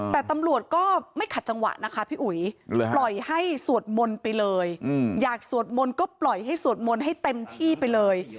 แต่ตำรวจก็ไม่ขัดจังหวะนะคะพี่อุ๋ยปล่อยให้สวดมนต์ไปเลยอยากสวดมนต์ก็ปล่อยให้สวดมนต์ให้เต็มที่ไปเลย